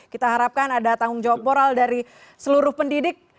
kita harapkan ada tanggung jawab moral dari seluruh pendidik